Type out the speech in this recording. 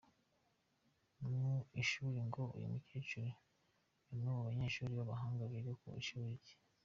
Mu ishuri ngo uyu mukecuru ni umwe mu banyeshuri babahanga biga ku ishuri rye.